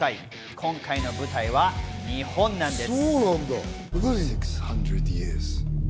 今回の舞台は日本なんです。